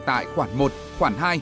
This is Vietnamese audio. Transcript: tại khoản một khoản hai